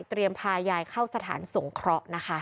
พายายเข้าสถานสงเคราะห์นะคะ